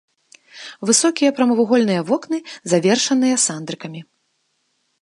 Высокія прамавугольныя вокны завершаныя сандрыкамі.